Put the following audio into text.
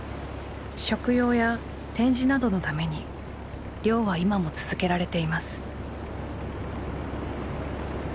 食用や展示などのために漁は今も続けられています。